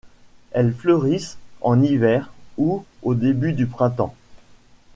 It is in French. Elles fleurissent en hiver ou au début du printemps.